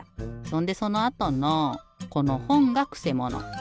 そんでそのあとのこのほんがくせもの。